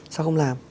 sao không làm